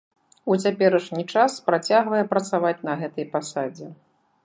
У цяперашні час працягвае працаваць на гэтай пасадзе.